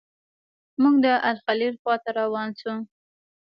موږ د الخلیل خواته روان شوو.